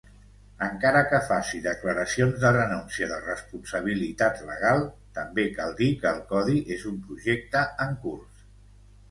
Encara que faci declaracions de renuncia de responsabilitat legal, també cal dir que el codi és un projecte en curs.